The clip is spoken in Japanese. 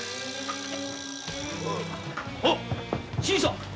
あ新さん。